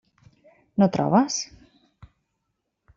No trobes?